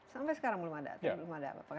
sampai sekarang belum ada